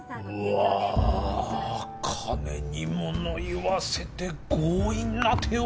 うわ金にものいわせて強引な手を。